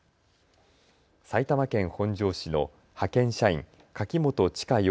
埼玉県本庄市の派遣社員、柿本知香